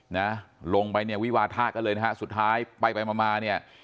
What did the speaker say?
นะลงไปเนี่ยวิวาทะกันเลยนะฮะสุดท้ายไปไปมามาเนี่ย